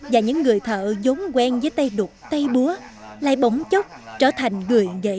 và những người thợ giống quen với tay đục tay búa lại bóng chốc trở thành người nghệ sĩ